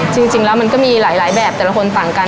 จริงแล้วมันก็มีหลายแบบแต่ละคนต่างกัน